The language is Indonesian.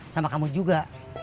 sama kamu juga